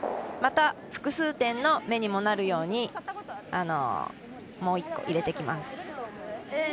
また複数点の芽にもなるようにもう１個、入れてきます。